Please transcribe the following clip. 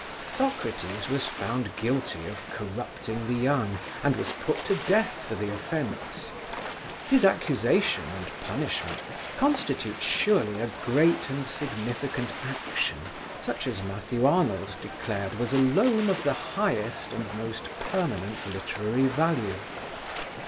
Socrates was found guilty of corrupting the young and was put to death for the offence. His accusation and punishment constitute surely a great and significant action such as Matthew Arnold declared was alone of the highest and most permanent literary value.